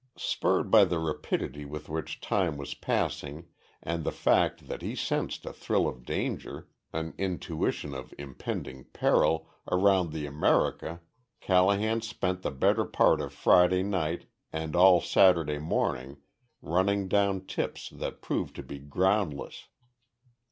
Spurred by the rapidity with which time was passing and the fact that he sensed a thrill of danger an intuition of impending peril around the America, Callahan spent the better part of Friday night and all Saturday morning running down tips that proved to be groundless.